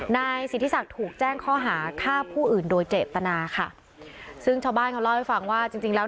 นายสิทธิศักดิ์ถูกแจ้งข้อหาฆ่าผู้อื่นโดยเจตนาค่ะซึ่งชาวบ้านเขาเล่าให้ฟังว่าจริงจริงแล้ว